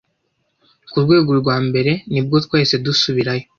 Ku rwego rwa mbere, nibwo twahise dusubirayo.